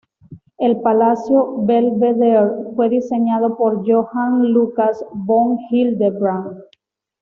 El palacio Belvedere fue diseñado por Johann Lukas von Hildebrandt.